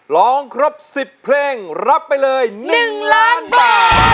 ร้องครบ๑๐เพลงรับไปเลย๑ล้านบาท